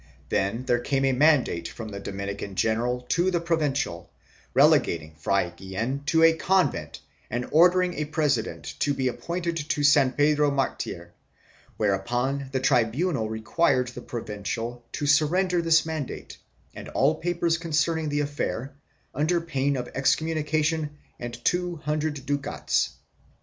Then there came a mandate from the Dominican General to the Provincial, relegating Fray Guillen to a convent and ordering a president to be appointed for San Pedro Martir, whereupon the tribunal required the Provincial to surrender this mandate and all papers concerning the affair, under pain of excommunication and two hundred ducats.